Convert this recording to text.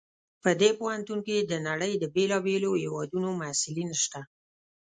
په دې پوهنتون کې د نړۍ د بیلابیلو هیوادونو محصلین شته